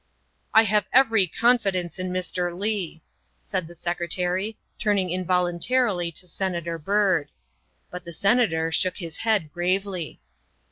''" I have every confidence in Mr. Leigh," said the Secretary, turning involuntarily to Senator Byrd. But the Senator shook his head gravely.